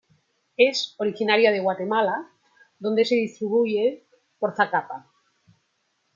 Es originaria de Guatemala donde se distribuye por Zacapa.